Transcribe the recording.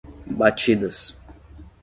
Batidas